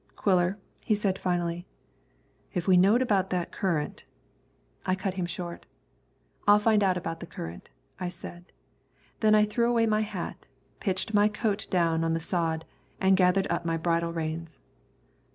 "Quiller," he said finally, "if we knowed about that current " I cut him short. "I'll find out about the current," I said. Then I threw away my hat, pitched my coat down on the sod and gathered up my bridle reins.